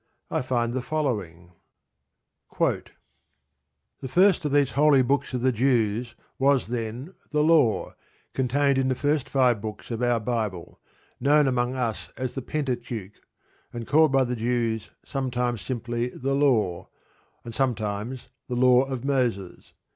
_ I find the following: The first of these holy books of the Jews was, then, The Law, contained in the first five books of our Bible, known among us as the Pentateuch, and called by the Jews sometimes simply "The Law," and sometimes "The Law of Moses."